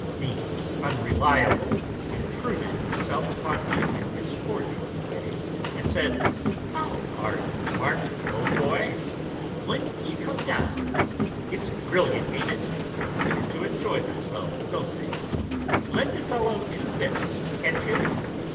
The Unreliable intruded himself upon me in his cordial way, and said, "How are you, Mark, old boy? When d'you come down? It's brilliant, ain't it? Appear to enjoy themselves, don't they? Lend a fellow two bits, can't you?"